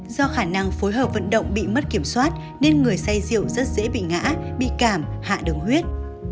do khả năng phối hợp vận động bị mất kiểm soát nên người say rượu rất dễ bị ngã bị cảm hạ đường huyết